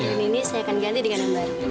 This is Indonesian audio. ini saya akan ganti dengan yang baru